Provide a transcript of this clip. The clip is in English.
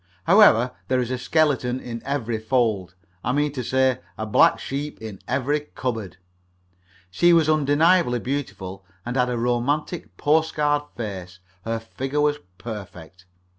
However, there is a skeleton in every fold I mean to say, a black sheep in every cupboard. She was undeniably beautiful, and had a romantic postcard face. Her figure was perfect.